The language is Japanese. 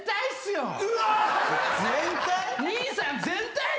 全体？